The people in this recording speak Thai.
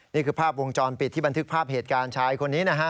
นี่คือภาพวงจรปิดที่บันทึกภาพเหตุการณ์ชายคนนี้นะฮะ